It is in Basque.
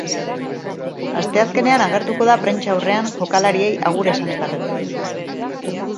Asteazkenean agertuko da prentsa aurrean jokalariei agur esan eta gero.